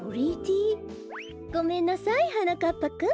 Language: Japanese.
ごめんなさいはなかっぱくん。